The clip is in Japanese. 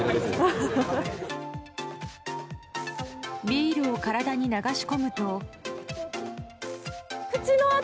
ビールを体に流し込むと。